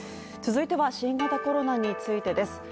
続いては新型コロナについてです。